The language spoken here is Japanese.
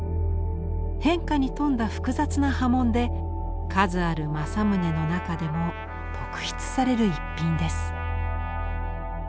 変化に富んだ複雑な刃文で数ある正宗の中でも特筆される逸品です。